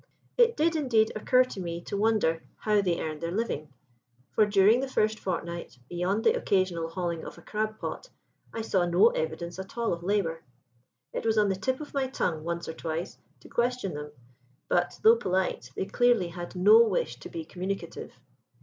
It did, indeed, occur to me to wonder how they earned their living, for during the first fortnight, beyond the occasional hauling of a crab pot, I saw no evidence at all of labour. It was on the tip of my tongue, once or twice, to question them; but, though polite, they clearly had no wish to be communicative.